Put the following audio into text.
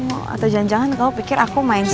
oh atau jangan jangan kamu pikir aku main sama